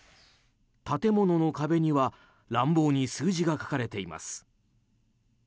建物の壁には乱暴に数字が書かれています。